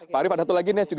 pak arief ada satu lagi nih